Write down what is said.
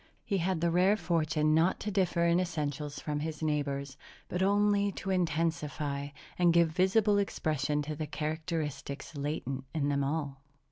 He had the rare fortune not to differ in essentials from his neighbors, but only to intensify and give visible expression to the characteristics latent in them all.